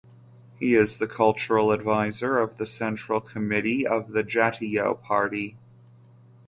He is the cultural advisor of the central committee of the Jatiyo Party.